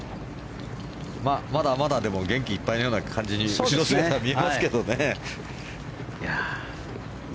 まだまだ、でも元気いっぱいのような感じに後ろ姿は見えますけどね。